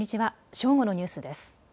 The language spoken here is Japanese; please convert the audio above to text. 正午のニュースです。